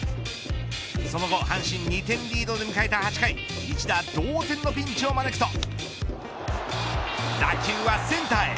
その後、阪神２点リードで迎えた８回一打同点のピンチを招くと打球はセンターへ。